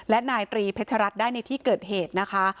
และนายตรีเพชรัตน์ได้ในที่เกิดเหตุนะคะ